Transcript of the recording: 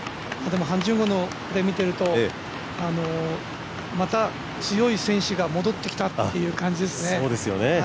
ハン・ジュンゴンのこれを見ているとまた強い選手が戻ってきたという感じですね。